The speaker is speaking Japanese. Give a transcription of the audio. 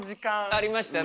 ありましたね。